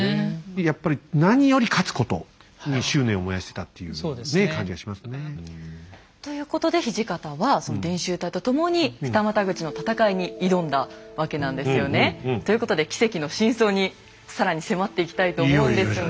やっぱり何より勝つことに執念を燃やしてたっていう感じがしますね。ということで土方はその伝習隊と共に二股口の戦いに挑んだわけなんですよね。ということで奇跡の真相に更に迫っていきたいと思うんですが。